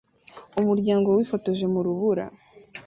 Umuryango wifotoje mu rubura